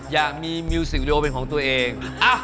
อยากมีมิวสิกดีโอเป็นของตัวเอง